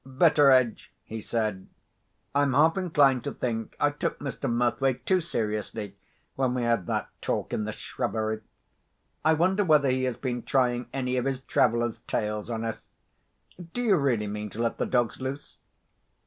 "Betteredge," he said, "I'm half inclined to think I took Mr. Murthwaite too seriously, when we had that talk in the shrubbery. I wonder whether he has been trying any of his traveller's tales on us? Do you really mean to let the dogs loose?"